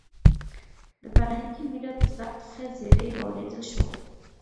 د فرهنګي میراث د ثبت ښه زېری واورېدل شو.